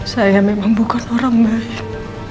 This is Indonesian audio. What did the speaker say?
saya memang bukan orang mas